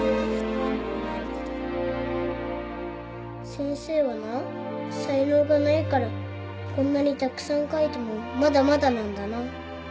先生はなさいのうがないからこんなにたくさん書いてもまだまだなんだな。